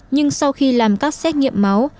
nhưng sau khi làm các xét nghiệm máu